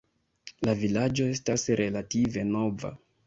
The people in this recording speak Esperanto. La vilaĝo estas relative nova.